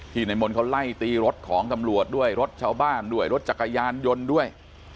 ในมนต์เขาไล่ตีรถของตำรวจด้วยรถชาวบ้านด้วยรถจักรยานยนต์ด้วย